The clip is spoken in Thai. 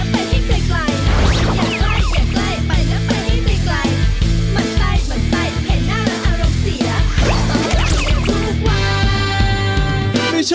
มันไกลมันไกลเห็นหน้าแล้วอารมณ์เสียทุกวัน